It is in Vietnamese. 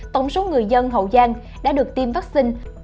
tổng số người dân hậu giang đã được cách ly tập trung